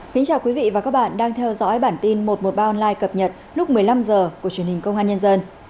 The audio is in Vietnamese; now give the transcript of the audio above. kính chào quý vị và các bạn đang theo dõi bản tin một trăm một mươi ba online cập nhật lúc một mươi năm h của truyền hình công an nhân dân